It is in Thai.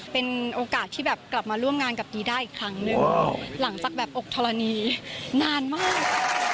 เป็นโอกาสที่แบบกลับมาร่วมงานกับดีด้าอีกครั้งหนึ่งหลังจากแบบอกธรณีนานมาก